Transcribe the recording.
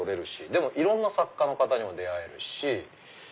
でもいろんな作家の方にも出会えるし。